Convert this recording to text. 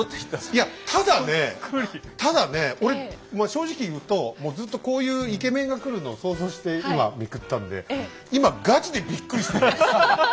いやただねただね俺正直言うともうずっとこういうイケメンが来るのを想像して今めくったんで今ガチでびっくりしてるんです。